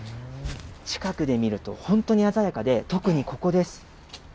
近くで見ると本当に鮮やかで、特にここです。